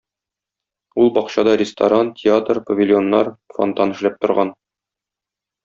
Ул бакчада ресторан, театр, павильоннар, фонтан эшләп торган.